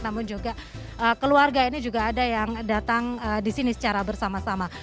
namun juga keluarga ini juga ada yang datang di sini secara bersama sama